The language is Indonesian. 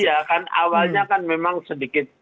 iya kan awalnya kan memang sedikit